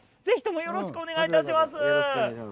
ぜひともよろしくお願いいたします。